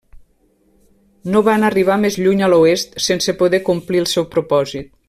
No van arribar més lluny a l'oest, sense poder complir el seu propòsit.